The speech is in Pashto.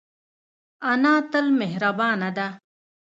انا تل مهربانه ده